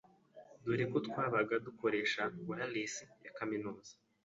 dore ko twabaga dukoresha wireless ya kaminuza,